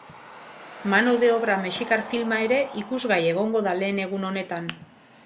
Mano de obra mexikar filma ere ikusgai egongo da lehen egun honetan.